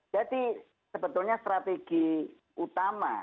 jadi sebetulnya strategi utama